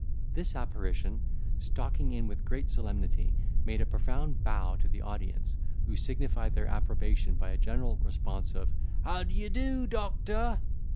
This apparition, stalking in with great solemnity, made a profound bow to the audience, who signified their approbation by a general response of "How d'ye do, doctor!"